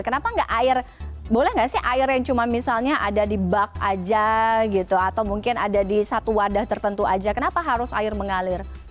kenapa nggak air boleh nggak sih air yang cuma misalnya ada di bak aja gitu atau mungkin ada di satu wadah tertentu aja kenapa harus air mengalir